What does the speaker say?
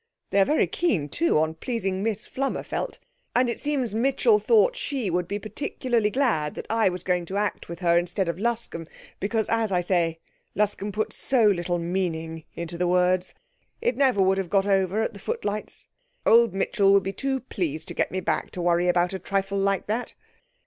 They are very keen, too, on pleasing Miss Flummerfelt, and it seems Mitchell thought she would be particularly glad I was going to act with her instead of Luscombe, because, as I say, Luscombe put so little meaning into the words. It never would have got over the footlights. Old Mitchell will be too pleased to get me back to worry about a trifle like that.'